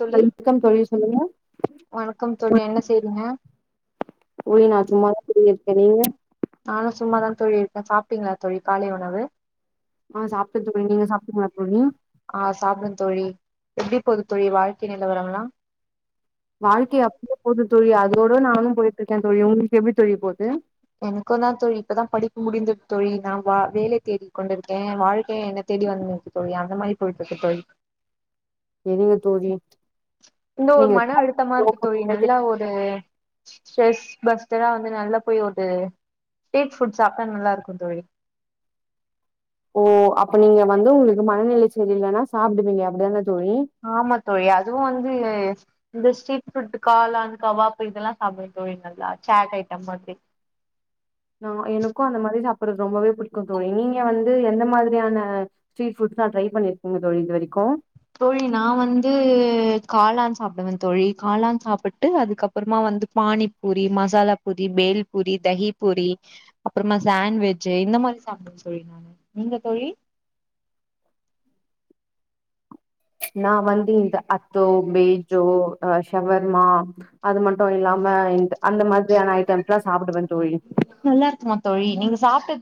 தோழி வணக்கம் தோழி சொல்லுங்க வணக்கம் தோழி என்ன செய்றீங்க தோழி நா சும்மாதா தோழி இருக்கே நீங்க நானு சும்மாதா தோழி இப்ப சாப்ட்டீங்ளா தோழி காலை உணவு ஆ சாப்ட்டே தோழி நீங்க சாப்ட்டீங்களா தோழி ஆ சாப்ட்டே தோழி எப்டி பொது தோழி வாழ்க்கை நிலவரல்லா வாழ்க்கை அப்டியே போது தோழி அதோட நானு போய்ட்ருக்கே தோழி உங்ளுக்கு எப்டி தோழி போது எனக்குந்தா தோழி இப்பதா படிப்பு முடிந்தது தோழி நா வா வேலை தேடிக் கொண்டிருக்கே வாழ்க்கை என தேடி வந்துக்கு தோழி அந்த மாரி போய்ட்டுருக்கு தோழி எதுங்க தோழி இந்த ஒரு நீங்க மன அழுத்தமா இருக்கு நோக்கம் தோழி என்ன நல்லா தெரி- ஒரு ஸ்ட்ரெஸ் பஸ்டரா வந்து நல்லா போய் ஒரு ஸ்ட்ரீட் ஃபுட் சாப்ட்டா நல்லாருக்கு தோழி ஓ அப்ப நீங்க வந்து உங்ளுக்கு மனநிலை சரி இல்லன்னா சாப்டுவீங்க அப்டிதான தோழி ஆமா தோழி அதுவு வந்து இந்த ஸ்ட்ரீட் ஃபுட் காளான் கவாப்பு இதெல்லா சாப்டுவே தோழி நல்லா சாட் ஐட்டம் மாதிரி நா எனக்கு அந்த மாரி சாப்புறது ரொம்பவே புடிக்கு தோழி நீங்க வந்து எந்த மாதிரியான ஸ்ட்ரீட் ஃபுட் ட்ரை பண்ணிருக்கீங்க தோழி இது வரைக்கு தோழி நா வந்து காளான் சாப்டுவே தோழி காளான் சாப்பிட்டு அதுக்கப்புறமா வந்து பானிபூரி மசாலா பூரி பேல் பூரி தகி பூரி அப்புறமா சாண்வேஜ் இந்த மாரி சாப்ட்டே தோழி நானு நீங்க தோழி நா வந்து இந்த அத்தோ பேஜோ அ ஷவர்மா அது மட்டு இல்லாம இந்த அந்த மாதிரியான ஐட்டம்ஸ்லா சாப்பிடுவே தோழி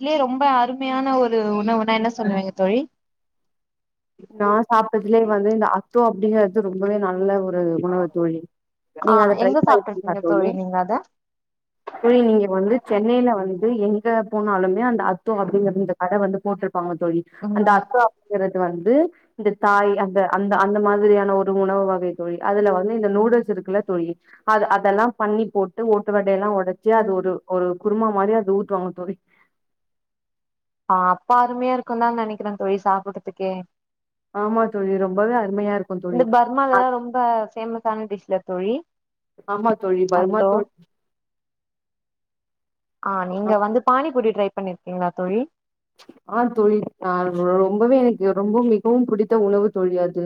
ட்லே ரொம்ப அருமையான ஒரு உணவுனா என்ன சொல்லுவீங்க தோழி நா சாப்ட்டதுலயே வந்து இந்த அத்தோ அப்டிங்கறது ரொம்பவே நல்ல ஒரு உணவு தோழி ஆ நீங்க அத ட்ரை எங்க பண்ணி சாப்ட்ருக்கீங்க பாத்தது தோழி நீங்க அத இல்லயா நீங்க வந்து சென்னையில வந்து எங்க போனாலுமே அந்த அத்தோ அப்டிங்கற இந்த கட வந்து போட்ருப்பாங்க தோழி அந்த ம் அத்தோ அப்டிங்கறது வந்து இந்த தாய் அந்த அத் அந்த அந்த மாதிரியான ஒரு உணவு வகை தோழி அதுல வந்து இந்த நூடுல்ஸ் இருக்குல தோழி அது அதெல்லா பண் ணி போட்டு ஓட்டு வடை எல்லா ஒடச்சி அது ஒரு ஒரு குருமா மாரி அது ஊத்துவாங்க தோழி ஆ அப்பா அருமையா இருக்குன்தா நெனைக்கிறே தோழி சாப்பட்றதுக்கே ஆமா தோழி ரொம்பவே அரு இந்த பர்மாலதா ரொம்ப ஃபேமஸ் ஆன டிஷ்ல தோழி ஆமா தோழி பர்மா அத்தோ தோழி ஆ நீங்க வந்து பானிபூரி ட்ரை பண்ணிருக்கீங்களா தோழி அ தோழி அ ரொம்பவே எனக்கு ரொம்ப மிகவும் பிடித்த உணவு தோழி அது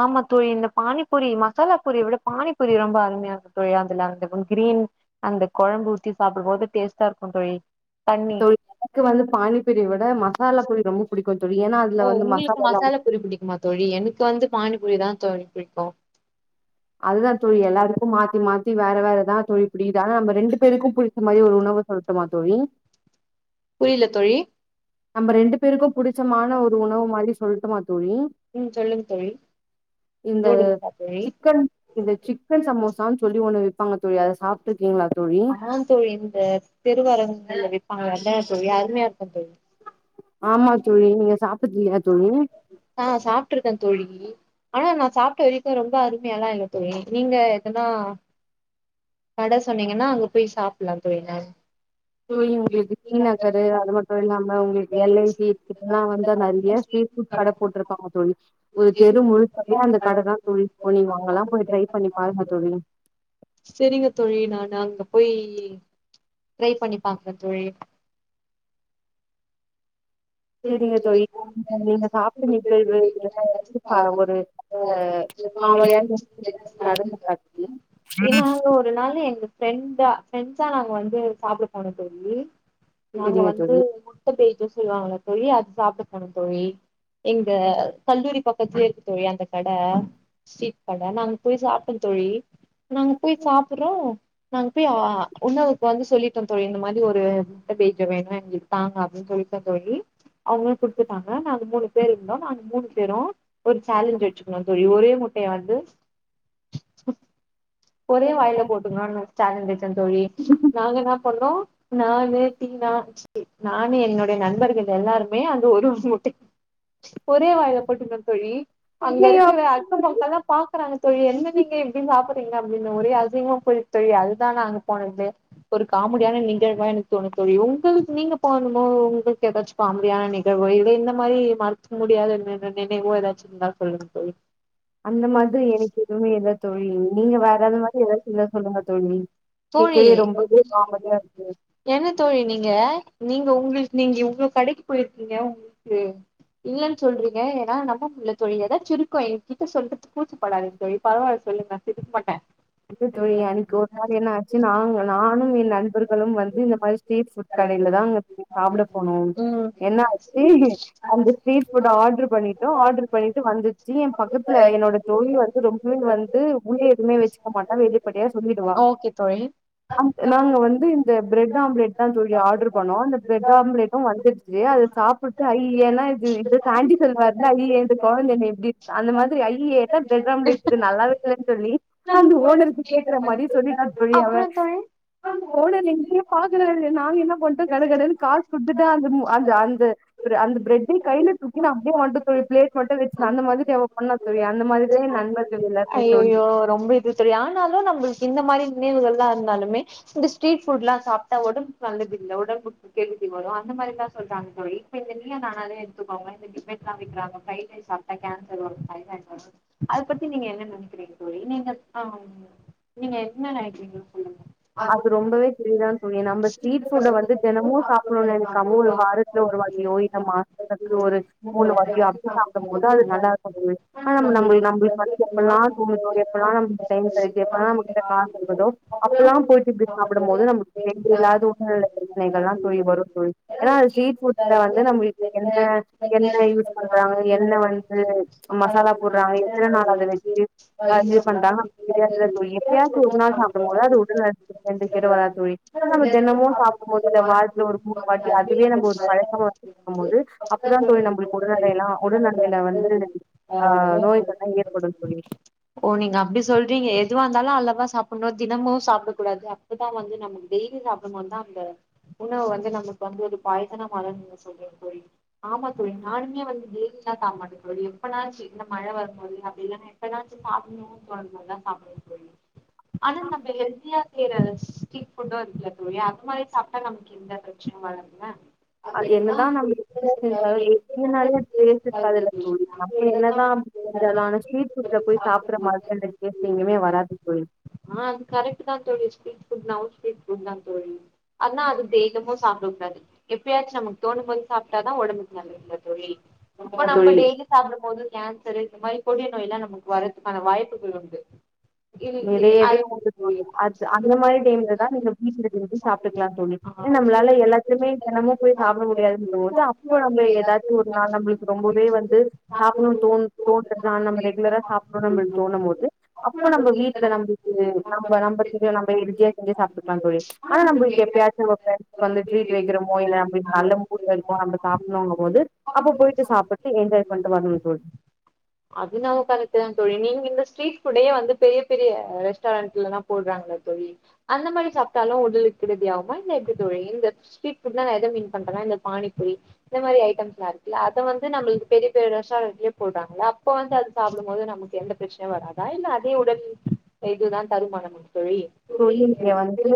ஆமா தோழி இந்த பானிபூரி மசாலாபூரிய விட பானிபூரி ரொம்ப அருமையா இருந்தது தோழி அதுல அந்த [unintelligible] ன் அந்த குழம்பு ஊத்தி சாப்பிடும் போது டேஸ்ட்டா இருக்கு தோழி தண்ணி இப்போ எனக்கு வந்து பானிப்பூரிய விட மசாலாபூரி ரொம்ப புடிக்கு ஓ உங்களுக்கு மசாலாபூரி பிடிக்குமா தோழி எனக்கு வந்து பானிபூரிதா தோழி பிடிக்கு அதுதா தோழி எல்லாருக்கு மாத்தி மாத் த்தி வேற வேறதா தா தோழி புடிக்குது ஆனா நம்ம ரெண்டு பேருக்கு பிடிச்ச மாதிரி ஒரு உணவு சொல்ட்டுமா தோழி புரில தோழி நம்ம ரெண்டு பேருக்கு பிடிச்சமான ஒரு உணவு மாதிரி சொல்ட்டுமா ம் சொல்லுங்க தோழி இந்த நூடுல்ஸா தோழி சிக்கன் இந்த சிக்கன் சமோசான்னு சொல்லி ஒண்ணு விப்பாங்க தோழி அத சாப்பிட்டு அதா தோழி இந்த தெருவரகு விப்பாங்க அத்தா தோழி அருமையார்க்கூ தோழி ஆமா தோழி நீங்க ஸ் ஆ சாப்ட்ருக்கே தோழி ஆனா நா சாப்ட்ட வரைக்கு ரொம்ப அருமையாலா இல்ல தோழி நீங்க எதுனா கட சொன்னீங்கனா அங்க போய் சாப்லா தோழி நாங் தோழி உங்குளுக்கு சீனக்கரு அது மட்டு இல்லாம உங்குளுக்கு எல் ஐ சி இதிக்லா வந் நெறைய ஸ்ட்ரீட் ஃபுட் கட போட்ருப்பாங்க தோழி ஒரு தெரு முழுக்கவே அந்த கட தா தோழி கொழிவாங் அத்லா போய் ட்ரை பண்ணி பாருங்க தோழி செரிங்க தோழி நானு அங்க போய் டரை பண்ணி பாக்ற தோழி [inaudible] செரிங்க தோழி நீங்க சாப்ட்ட நிகழ்வு இதெல்லா எனக்கு பா ஒரு காமெடியான நிகழ்வு நடந்து காட்டுங்க எ நாங்க ஒரு நாளு எங்க ஃப்ரெண்ட் சா ஃப்ரெண்ட்ஸா நாங்க வந்து சாப்ட போனோ தோழி நாங்க செரிங்க வந்து தோழி முட்ட பேஜோஸ் சொல்லுவாங்கல தோழி அது சாப்ட போனோ தோழி எங்க கல்லூரி பக் கத்லே இருக்கு தோழி அந்த கட ஸட்ரீட் கட நாங்க போய் சாப்ட்டோ தோழி நாங்க போய் சாப்புட்றோ நாங்க போய் ஆ உணவு ப வந்து சொல்லிட்டோ தோழி இந்த மாரி ஒரு முட்ட பேஜோ வேணு எங்குளுக்கு தாங்க அப்டின் சொல்லிட்டோ தோழி அவுங்ளு குடுத்துட்டாங்க நாங்க மூணு பேர் இர்ந்தோ நாங்க மூணு பேரூ ஒரு சேலஞ்ச் வச்சுக்ணோ தோழி ஒரே முட்டைய வந்து ஒரே வாயில போட்டுக்ணூன் சேலஞ்சு கந் தோழி நாங்க என்ன பண்ணோ நானு டீனா நானு என்னுடைய நண்பர்கள் எல்லாருமே அது ஒரு முட்டை ஒரே வாயில போட்டுக்கோ தோழி ஐயயோ அங்கருக்கிற அக்க பக்கல்லா பாக்குறாங்க தோழி என்ன நீங்க இசின் சாப்புட் சிங்க அப்டின் ஒரே அசிங்கமா போய்ட்டு தோழி அதுதா நாங்க பண்ணது ஒரு காமெடியான நிகழ்வா எனக் எனக்கு தோணு தோழி உங்களுக் நீங்க போணுமோ உங்ளுக்கெதாச் காம்டியான நிகழ்வு இத இந்த மாரி மறுக் முடியாத நினைவோ எதாச்சுருந்தா சொல்லுங்க தோழி அந்த மாத்ரி எனக்கு எதூமே இல்ல தோழி நீங்க வேறது மாரி எதாச்சுர்ந்தா சொல்லுங்க தோழி தோழி கேக்கவே ரொம்பவே காமெடியா இருக்கு என்ன தோழி நீங்க நீங்க உங்குளுக் நீங்க இவ்ளோ கடைக்கு போயிருக்கீங்க உங்ளுக்கு இல்லன் சொல்றீங்க எனா நம்பம் இல்ல தோழி எதாச்சுர்க்கூ என்க்கிட்ட சொல்றதுக் கூச்சப்படாதிங்க தோழி பரவால் சொல்லுங்க சிரிக்க மாட்டே இல்ல தோழி அன்னிக் ஒரு நாள் என்னாச்சு நாங் நானு எ நண்பர்களூ வந்து இந்த மாரி ஸ்ட்ரீட் ஃபுட் க கடையில தாங்க சாப்ட போனோ ம் என்ன ஆச்சு அந்த ஸ்டேட் ஸ்ட்ரீட்ஃபுட்ட ஆர்டர் கவர்மெண்ட் பண்ணிட்டோ ஆர்டர் பண்ணிட்டு வந்துச்சு எ பக்கத் ல என்னோட தோழி வந்து ரொம்பவே வந்து முந்து எதுவுமே வச்சுக்க மாட்டா வெளிப்படியா சொல்லிடுவா ஓகே தோழி அந் நாங்க வந்து இந்த ப்ரெட் ஆம்லெட் தா தோழி ஆர்டர் பண்ணோ அந்த ப்ரெட் ஆம்லெட் ஒ வந்துடுச்சு அத சாப்புட்டு ஐயி என்னா இது இந்த சாண்டி செல்வான்ல ஐயிய இந்த கொழந்த என்ன இப்டி அந்த மாத்ரி ஐயிய என்ன ப்ரட் ஆம்லேட் நல்லாவே இல்லன் சொல்லி அந்த ஓனருக்கு கேக்குற மாரி சொல்லிட்டா தோழி அவ அப்புறோ தோழி போடல இப்பயே பாக்றாரு நாங்க என்ன பண்ட்டோ கட கடற் கார்கு குதா அந்தம் அந்த அந்த அந்த ப்ரட்டி கைல தூக்கின் அப்டியே வந்துட்டோ ப்ளேட் மட்டு வச் அந்த மாரி அவ பண்ணா தோழி அந்த மாத்ரிதா நண்பர்கள் எல்லாருமே தோழி ஐயையோ ரொம்ப இது இப்டி தோழி ஆனாலு நம்மளுக்கு இந்த மாரி நினைவுகள்லா வந்தாலுமே இந்த ஸ்ட்ரீட் ஃபுட்லா சாப்ட்டா ஒடம் நல்லதில்ல ஒடம்புக்கு கெடுதி வரு அந்த மாரிலா ஸ் சொல்றாங்க தோழி இப்ப இந்த நீயா நானாலே எடுத்துக்கோங்க இந்த பிக்ரைஸ் காமிக்றாங்க ஃப்ரைட் ரைஸ் சாப்டா கேன்சர் வரூ தைரா ஆய்ட் வரூ அது பத்தி நீங்க என்ன நனைக்கிறீங்க தோழி நீங்க ஆ நீங்க என்ன நெனக்கிறீங்க சொல்லுங்க அது ரொம்பவே செரிதா தோழி நம்ம ஸ்ட்ரீட் ஃபுட்ட வந்து தெனமூ சாப்பு ஒது அது கம்முல் வாரத்ல ஒரு வாட்டியோ இல்ல மாசக்கு ஒரு மூணு வாட்டியோ அப்டி சாப்படும் போது அது ந ஆனா நம்முள் நம்முள்க் வந்து எப்பல்லா தோணுதோ எப்பலா நமக்கு டைம் கெடைக்குதோ எப்பலா நம்மகிட்ட கா காசு இருக்குதோ அப்பல்லா போயிட்டு இப்டி சாப்பிடும் போது நமக்கு தேவையில்லாத உடல்நிலை ப்ரச்னைகள்ல்லா தோழி வரூ ம் ஏன்னா அது ஸீஃபுட்ல வந்து நம்மளுக்கு எந்த என்ன யூஸ் பண்றாங்க என்ன வந்து ம் மசாலா போட்றாங்க எத்தன நாள் அத வெச்சு ஆர்கியு பண்றாங்க [unintelligible] தெரியு எப்பயாசு ஒரு நாள் சாப்புட்னு அதாவது [unintelligible] கெடையாது ஓ நம்ம தெனமு நீங்க சாப்பிடும் போது இல்ல வாரதுல ஒரு மூ வாட்டி அதுவே நம்ப ஒரு பழக்கமா வச்சு இருக்கும் போது அப்பதா தோழி நம்மளுக்கு உடல்நிலை எல்லா உடல்நிலையில வந்து ஆ நோய்கல்லா ஏற்படு தோழி அப்டி சொல்றீங்க எதுவா இருந்தா எல்லா அலவா சாப்பிட்ணு தினமு சாப்பிடக் கூடாது அப்பதா வந்து நமக்கு டெய்லி சாப்ட்டும் போதா அந்த உணவு வந்து நமக்கு வந்து ஒரு பாய்சனா மாறு நீங்க சொல்றீங்க தோழி ஆமா தோழி நானுமே வந்து டெய் லா சாப்ட மாட்டே தோழி எப்பனாச்சு இந்த மழ வரும்போது அப்டி இல்லனா எப்பனாச்சு சாப்பிடணு தோணுல சாப்டுவே தோழி அனா நம்ம ஹெல்தியா கீர ஸ்ரீட்ஃபுட்டு இருக்குல தோழி அது மாரி சாப்ட்டா நமக்கு எந்த பிரச்சனையு வராதுல அ என்னதா நம்ப எப்ப செஞ்சாலு எப்டினாலோ டேஸ்ட் இருக்காதுல்ல தோழி அப்ப என்னதா செஞ்சாலு ஆனா ஸ்ட்ரீட்புட்ல போய் சாப்பட மாதிரியான அந்த டேஸ்ட் எங்கயுமே வராது தோழி ஆ அது கரெக்ட்டு தா தோழி ஸ்டரீ்ஃபுட் னா ஸ்டரீ்ஃபுட் தா தோழி அனா அது டெய்லியுமு சாப்டக் கூடாது எப்பயாச்சு நமக்கு தோணும் போது சாப்ட்டாதா ஒடம்புக்கு நல்லதுல தோழி இப்ப ஆமா நம்ம தோழி டெய்லி சாப்டும் போது கேன்சரு இந்த மாரி கொடிய நோய்ல்லா நமக்கு வர்றதுக்கான வாய்ப்புகள் உண்டு நிறையவே உண்டு தோழி அது அது மாரி டைம்ல தா நீங்க [unintelligible] இருக்குறது சாப்ட்டுக்கலா தோழி அ நம்மள போய் எல்லாத்துையுமே தெனமு போய் சாப்ட முடியாதுன் போது அப்போ நம்ப ஏதாச்சு ஒரு நாள் நம்மளுக்கு ரொம்பவே வந்து சாப்டணுனு தோண் தோண்ரத ரெகுலரா சாப்புட்ணுனு தோணும் போது அப்போ நம்ம வீ ட்ல நம்பளுக்கு நம்ப நம்ப செஞ்சு நம்ப ஈசியா செஞ்சு சாப்ட்டுக்குலா தோழி ஆனா நம்பளுக்கு எப்பயாச்சு ஒரு டைம் வந்து ட்ரீட் வைக்கிறோமோ என்ன அப்டி நல்ல மூட்ல இருக்கு நம்ம சாப்புட்னோங்க போது அப்போ போயிட்டு சாப்ட்டுட்டு என் ஜாய் பண்டு வர்ணு தோழி அது நம்ம கலக்கலா தோழி நீங்க இந்த ஸ்ட்ரீட் ஃபுடே வந்து பெரிய பெரிய ரெஸ்டாரன்டல்லதா போட்றாங்க தோழி அந்த மாரி சாப்ட்டாலு ஏக்கறதுயாமா இல்ல இப் போ இந்த இப்பிட்லா நா எத மீன் பண்றனா இந்த பானிபூரி இந்த மாரி ஐடம்ஸ்லா இருக்குல அத வந்து ந பெரிய பெரிய ரெஸ்டாரன்ட்லயே போட்றாங்கல்லா அப்ப வந்து அது சாப்பிடும் போது நமக்கு எந்த பிரச்சனையு வராதா இல்ல அதே உடல் ஹெல்து தா தருமா நம்ம தொழிலுக்கு வந்து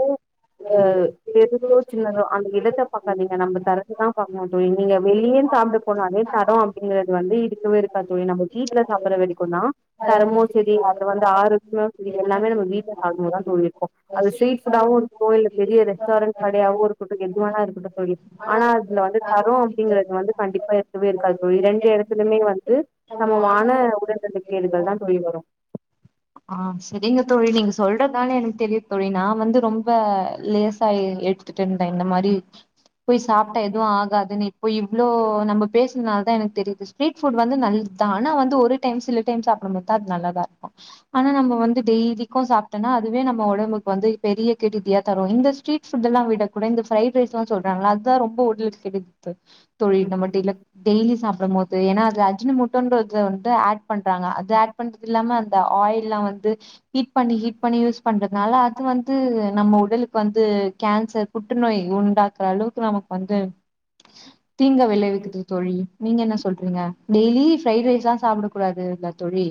அ எ எய்டி ஃபோர் சின்னதா அந்த இடத்த பாக்காதீங்க நம்ம தரத்த தா பாக்கனுட்டு ஆனா நீங்க வெளியே சாப்ட்ட அதுக்கு வந்து போனாலே தரோ தரம் அப்டி அப்படின்னு ன்றது வந்து இருக்கவே இருக்கா அப்படிங்கறது தோழி நம்ம வீட்ல சாப்புற வேசுக்குனா தரமு சரி அப்றோ அந்த வந்து ஆரோக்கியோ இது எல்லாமே நம்ம வீட்ல சாப்டுமோதா தூங்கிருக்கு அது ஸீட்ரீட் ஃபுடாவு இருக்கு பெரிய ரெஸ்டாரண்ட் கடையா சவரு ஒரு போட்டு கிண்றாங்க அது கூட போயி அனா அதுல வந்து தரோ அப்டிங்கிறது வந்து கண்டிப்பா இருக்கவே இருக்காது தோழி இத ரெண்டு கண்டிப்பா எடத்துலுமே வந்து நம்ம சமமான உடல்நலக்கேடுகள் தா மாணவர்கள் தோழி வரு [inaudible] ஆ சரிங்க தோழி நீங்க சொல்றதாலே எனக்கு தெரியுது தோழி நா வந்து ரொம்ப லேச ஆயி எடுத்துடேன் த இந்த மாரி போய் சாப்ட்டா எதுவு ஆகாதுன்னு இப்போ இவ்ளோ நம்ம பேசுனதால தா எனக்கு தெரியுதுச் ஸ்ரீட்ஃபுட் வந்து நல்லதா ஆனா வந்து ஒரு டைம் சில டைம் சாப்பிடும் போதுதா அது நல்லதா இருக்கு ஆனா நம்ம வந்து டெய்லிக்கு சாப் டனா அதுவே நம்ம ஒடம்புக்கு வந்து பெரிய கெடுதியா தரு இந்த ஸ்ரீட் ஃபுட்டெல்லா விட கூட இந்த ஃப்ரைட் ரைஸ்லா சொல்றாங் கல அதா ரொம்ப ஓடி ஓடி சேக்குது தோழி நம்ம டைலா டெய்லி சாப் டமோது ஏன்னா அதுல அஜின மோட்டோன்ற வந்ட்டு ஆட் பண்றாங்க அது ஆட் பண்றது இல்லாம அந்த ஆயில்லா வந்து ஹீட் பண்ணி ஹீட் பண்ணி யூஸ் பண்றதுனால அது வந்து நம்ம உடலுக்கு வந்து கேன்சர் புற்றுநோய் உண்டாக்குற அளவுக்கு நமக்கு வந்து தீங்க வெளைவிக்குது தொழில் நீங்க என்ன சொல்றீங்க டெய்லி ஃரைட் ரைஸ்ஸா சாப்ட கூடாதுல்ல தோழி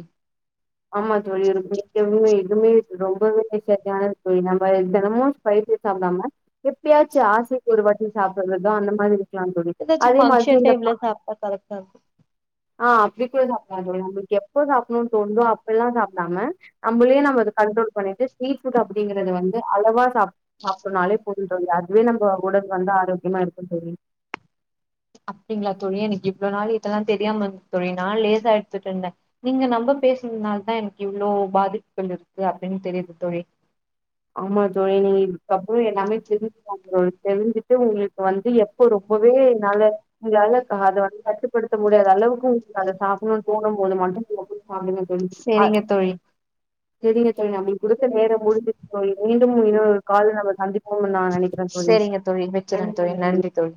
ஆமா தோழி இருக்கு எதுமே எதுவுமே ரொம்பவே விஷயத்த [unintelligible] நம்ப தெனமோ ஸ்பை சாப்டாம எப்பயாச்சு ஆசைக்கு ஒருவாட்டி சாப்புடுறது அந்த மாதிரி இருக்கலா தோழி அதே மாதிரி டைம்ல சாப்ட்டா கரெக்டா த் அ அப்லிக்கே சாப்ளா தோழி உங்களுக்கு எப்போ சாப்ணுன்னு தோணுதோ அப் பல்லா சாப்டாம நம்மளே நம்ம அத கண்ட்ரோல் பண்ணிட்டு ஸ்ட்ரீட் ஃபுட் அப்டிங்கறது வந்து அளவா சாப் சாப்புட்னாலே போது தோழி அதுவே நம்போ ஒடல் வந்து ஆரோக்கியமா இருக்கு தோழி அப்டிங்களா தோழி எனக்கு இவ்ளோ நாள் இதெல்லா தெரியாமிருந்த தோழி நா லேசா எடுத்துட்ருந்த நீங்க லம்ப பேசறதுனால் தா எனக்கு இவ்வளவு பாதிப்புகள் இருக்கு அப்டின்னு தெரியுது தோழி ஆமா ஜோ நீங்க இதுக்கப்புறோ எல்லாமே தெரி்ஞ்சி சாப்புட்னோ தெரிஞ்சிட்டு உங்களுக்கு வந்து எப்போ ரொம்பவே உன்னால உங்களால அத வந்து கட்டுப்படுத்த முடியாத அளவுக்கு அத சாப்புட்ணன்னு தோணும் போது மட்டு சாப்டுங்க தோழி அத் சேரிங்க தோழி செரிங்க தோழி நம்பளுக்கு குடுத்த நேரோ முடிஞ்சிச் தோழி மீண்டு இன்னொரு கால் நம்ம சந்திப்போம்னு நா நெனைக்கிற தோழி செரிங்க தோழி வெக்கிறே தோழி நன்றி தோழி